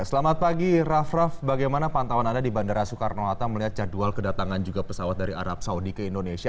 selamat pagi raff raff bagaimana pantauan anda di bandara soekarno hatta melihat jadwal kedatangan juga pesawat dari arab saudi ke indonesia